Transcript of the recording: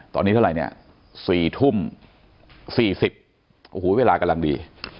ตอนนี้เท่าไหร่เนี่ย๔ทุ่ม๔๐โอ้โหเวลากำลังดี